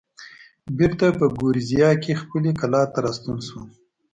بېرته په ګوریزیا کې خپلې کلا ته راستون شوم.